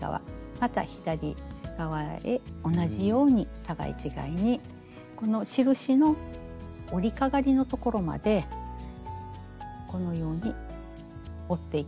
また左側へ同じように互い違いにこの印の織りかがりのところまでこのように織っていきます。